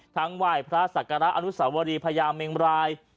ทั้งว่ายพระศักราชอันตุสวรรค์พระยามเมงบราย